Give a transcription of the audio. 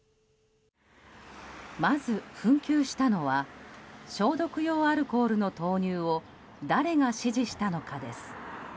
まず紛糾したのは消毒用アルコールの投入を誰が指示したのかです。